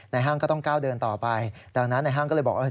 ห้างก็ต้องก้าวเดินต่อไปดังนั้นในห้างก็เลยบอกว่า